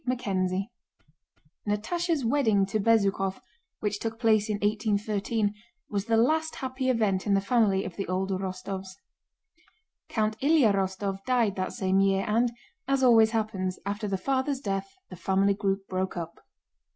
CHAPTER V Natásha's wedding to Bezúkhov, which took place in 1813, was the last happy event in the family of the old Rostóvs. Count Ilyá Rostóv died that same year and, as always happens, after the father's death the family group broke up.